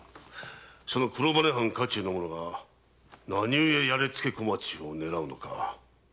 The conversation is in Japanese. その黒羽藩家中の者が何故やれ突け小町を狙うのか？